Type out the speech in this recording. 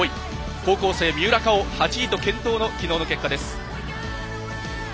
高校生、三浦佳生、８位と健闘のきのうの結果です。